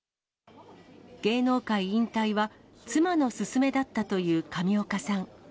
芸能界引退は、妻の勧めだったという上岡さん。